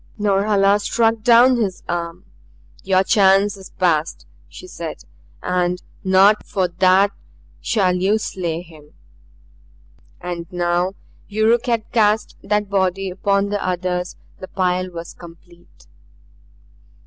Norhala struck down his arm. "Your chance has passed," she said, "and not for THAT shall you slay him." And now Yuruk had cast that body upon the others; the pile was complete.